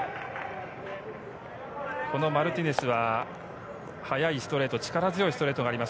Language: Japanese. マルティネスは速いストレート、力強いストレートがあります。